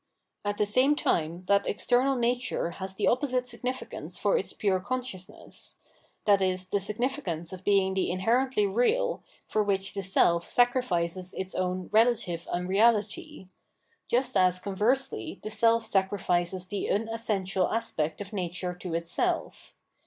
At the same time, that external nature has the opposite significance for its pure consciousness — fiz. the significance of being the in herently real, for which the self sacrifices its own [relative] unreality, just as, conversely, the self sacrifices the unessential aspect of nature to itself.